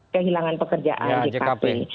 kehilangan pekerjaan jkp